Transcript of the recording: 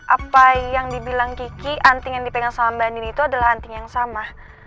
apa yang dibilang kiki anting yang dipegang sama mbak nini itu adalah anting yang sama